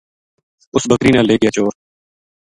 اُس بکری نا لے گیا چور